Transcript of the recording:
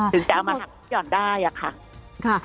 ถึงจะเอามาหักหย่อนได้อะค่ะ